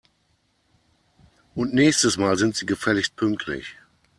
Und nächstes Mal sind Sie gefälligst pünktlich!